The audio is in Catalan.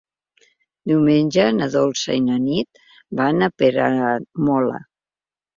Diumenge na Dolça i na Nit van a Peramola.